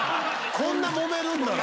こんなもめるんならな。